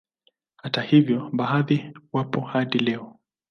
Hata hivyo baadhi wapo hadi leo